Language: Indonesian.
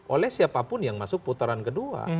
oleh siapapun yang masuk putaran kedua